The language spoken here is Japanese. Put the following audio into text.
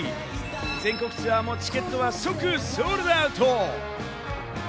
全国ツアーのチケットは即ソールドアウト。